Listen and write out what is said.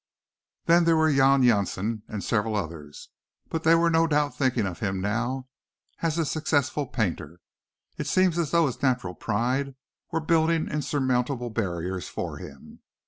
Then there were Jan Jansen and several others, but they were no doubt thinking of him now as a successful painter. It seemed as though his natural pride were building insurmountable barriers for him.